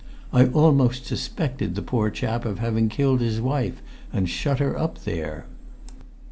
I almost suspected the poor chap of having killed his wife, and shut her up there!"